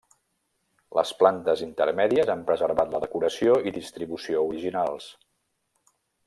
Les plantes intermèdies han preservat la decoració i distribució originals.